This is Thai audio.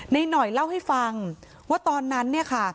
หน่อยเล่าให้ฟังว่าตอนนั้นเนี่ยค่ะ